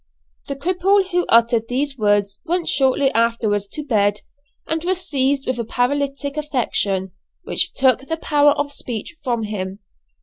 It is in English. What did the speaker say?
The cripple who uttered these words went shortly afterwards to bed, was seized with a paralytic affection, which took the power of speech from him.